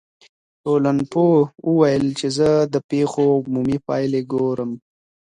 ټولنپوه وویل چي زه د پیښو عمومي پایلي ګورم.